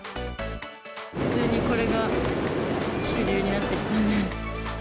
普通にこれが主流になってきている。